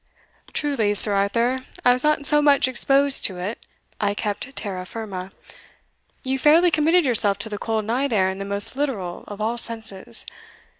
"Truly, Sir Arthur, I was not so much exposed to it I kept terra firma you fairly committed yourself to the cold night air in the most literal of all senses.